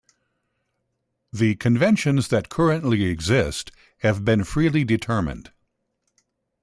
The conventions that currently exist have been freely determined.